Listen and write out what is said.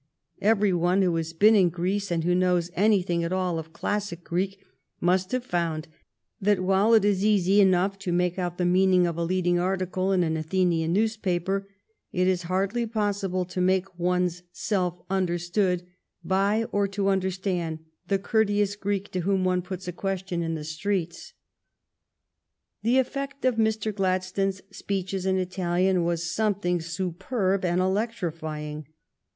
Every one who has been in Greece, and who knows anything at all of classic Greek, must have found that, while it is easy enough to make out the meaning of a leading article in an Athenian newspaper, it is hardly possible to make one's self understood by or to understand the courteous Greek to whom one puts a ques tion in the streets. The effect of Mr. Gladstone's speeches in Italian was something superb and electrifying.